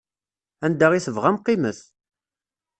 Anda i tebɣam qqimet.